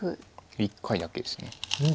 １回だけです。